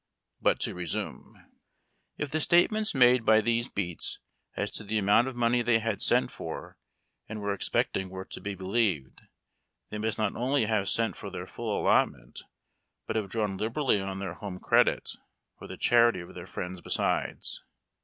But to resume :— If the statements made by these beats as to the amount of money they had sent for and were expecting were to be believed they must not only have sent for their full allot ment, but have drawn liberally on their home credit or the charity of their friends besides.